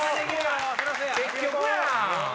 結局やん。